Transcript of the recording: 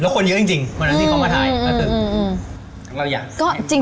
แล้วคนเยอะจริง